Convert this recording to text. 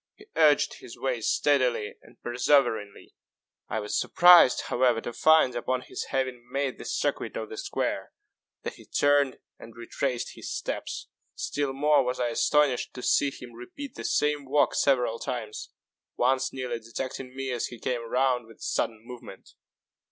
He urged his way steadily and perseveringly. I was surprised, however, to find, upon his having made the circuit of the square, that he turned and retraced his steps. Still more was I astonished to see him repeat the same walk several times once nearly detecting me as he came round with a sudden movement.